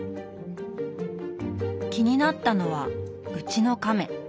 気になったのは「うちのカメ」。